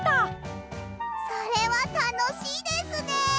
それはたのしいですね！